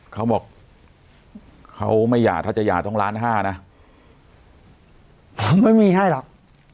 เขาบอกเขาไม่หย่าถ้าจะหย่าต้องล้านห้านะไม่มีให้หรอก